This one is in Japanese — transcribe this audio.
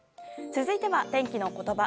続いては天気のことば。